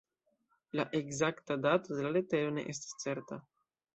La ekzakta dato de la letero ne estas certa.